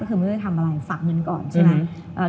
ก็คือไม่ได้ทำอะไรฝากเงินก่อนใช่ไหม